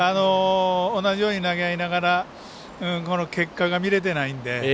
同じように投げ合いながら結果が見れてないんで。